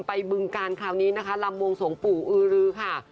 ไปบึงกันคราวนี้นะคะลำวงสงปู่อื้อค่ะ